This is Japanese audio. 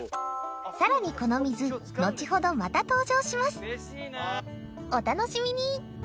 さらにこの水後ほどまた登場しますお楽しみに！